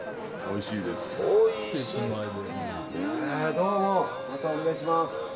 どうも、またお願いします。